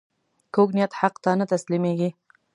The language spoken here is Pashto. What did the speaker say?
کوږ نیت حق ته نه تسلیمېږي